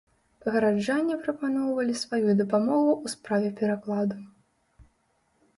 Гараджане прапаноўвалі сваю дапамогу ў справе перакладу.